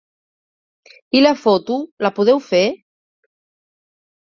I la foto, la podeu fer?